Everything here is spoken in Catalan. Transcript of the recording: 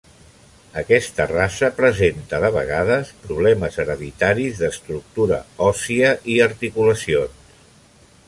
Aquesta raça presenta de vegades problemes hereditaris d'estructura òssia i articulacions.